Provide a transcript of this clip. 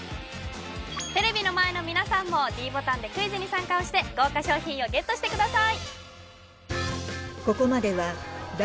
テレビの前の皆さんもｄボタンでクイズに参加をして豪華賞品をＧＥＴしてください